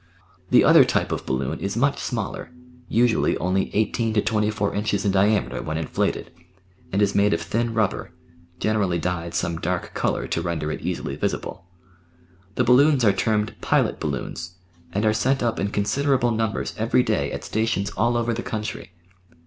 The other type of balloon is much smaller, usually only 18 to 24 inches in diameter when inflated, and is made of thin rubber, generally dyed some dark colour to render it easily visible. The balloons are termed "pilot balloons," and are sent up in considerable numbers every day at stations all over the country.